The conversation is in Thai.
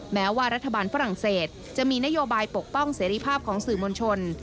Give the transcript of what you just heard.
แม้ว่ารัฐบาลฝรั่งเศสจะมีนโยบายปกป้องเสรีภาพของสื่อมวลชน